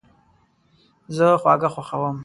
زه خواږه خوښوم